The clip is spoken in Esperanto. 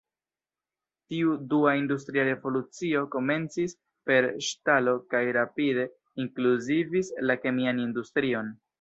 Tiu "dua" industria revolucio komencis per ŝtalo kaj rapide inkluzivis la kemian industrion.